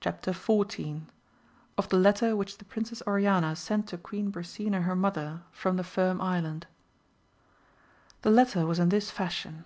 Chap. XIV. — Of the letter which the Princess Oriana sent to Queen Brisena her mother, from the Firm Island. |HE letter was in this fashion.